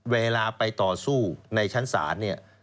เวลาไปต่อสู้ในชั้นศาลเนี่ย